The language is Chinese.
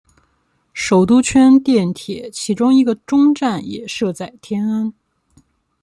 首都圈电铁其中一个终站也设在天安。